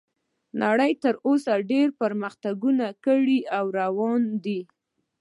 نړۍ اوس ډیر پرمختګونه کړي او روان دي